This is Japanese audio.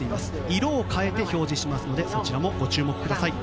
色を変えて表示しますのでそちらもご注目ください。